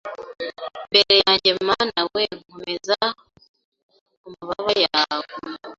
Mbere yanjye Mana we nkomeza ku mababa yawe